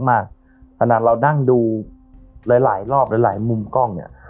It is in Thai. ขนาดเรานั่งดูหลายรอบหลายมุมกล้องเนี่ย